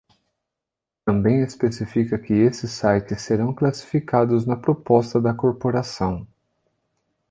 Também especifica que esses sites serão classificados na proposta da corporação.